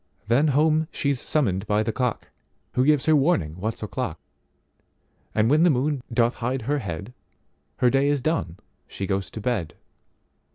Then home she's summoned by the cock, Who gives her warning what's o'clock, And when the moon doth hide her head, Her day is done, she goes to bed.